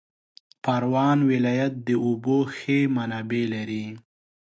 پروان ولایت د اوبو ښې منابع لري